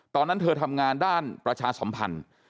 ตอนนั้นเธอทำงานด้านประชาสัมพันธ์